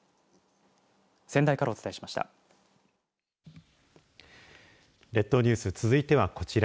仙台からお伝えしました。